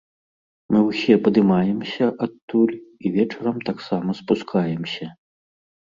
Мы ўсе падымаемся адтуль, і вечарам таксама спускаемся.